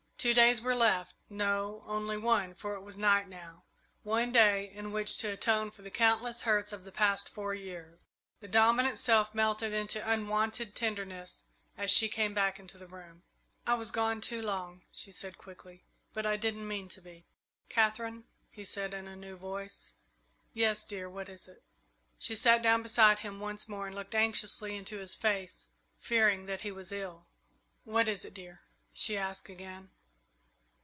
Two days were left no, only one for it was night now. One day in which to atone for the countless hurts of the past four years. The dominant self melted into unwonted tenderness as she came back into the room. "I was gone too long," she said quickly; "but I didn't mean to be." "Katherine!" he said in a new voice. "Yes, dear; what is it?" She sat down beside him once more and looked anxiously into his face, fearing that he was ill. "What is it, dear?" she asked again.